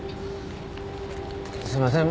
すいません